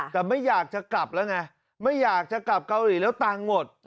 แต่ไม่อยากจะกลับแล้วไงไม่อยากจะกลับเกาหลีแล้วตังค์หมด